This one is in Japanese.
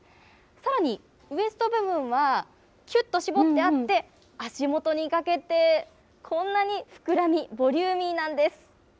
さらにウエスト部分はきゅっと絞ってあって、足元にかけてこんなに膨らみ、ボリューミーなんです。